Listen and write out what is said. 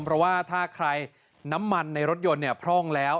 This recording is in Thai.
เพราะว่าถ้าใครน้ำมันในรถยนต์เนี่ยพร่องแล้ว